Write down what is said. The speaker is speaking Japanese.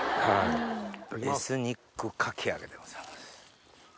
エスニックかき揚げでございます。